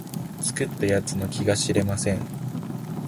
作った奴の気が知れません